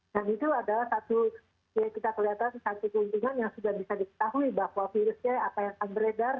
dan itu adalah satu ya kita kelihatan satu keuntungan yang sudah bisa diketahui bahwa virusnya apa yang akan beredar